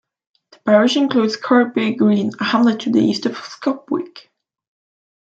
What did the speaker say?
The parish includes Kirkby Green, a hamlet to the east of Scopwick.